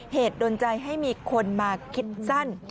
โดนใจให้มีคนมาคิดสั้น